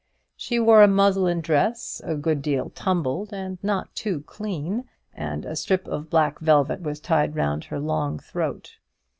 She wore a muslin dress a good deal tumbled and not too clean, and a strip of black velvet was tied round her long throat.